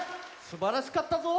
すばらしかったぞ。